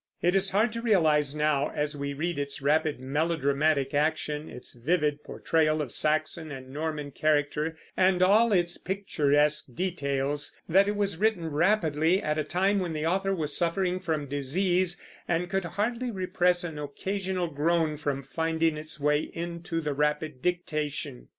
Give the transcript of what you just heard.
It is hard to realize now, as we read its rapid, melodramatic action, its vivid portrayal of Saxon and Norman character, and all its picturesque details, that it was written rapidly, at a time when the author was suffering from disease and could hardly repress an occasional groan from finding its way into the rapid dictation.